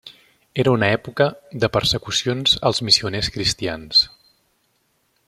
Era una època de persecucions als missioners cristians.